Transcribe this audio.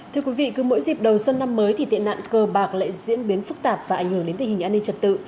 thưa quý vị cứ mỗi dịp đầu xuân năm mới thì tệ nạn cờ bạc lại diễn biến phức tạp và ảnh hưởng đến tình hình an ninh trật tự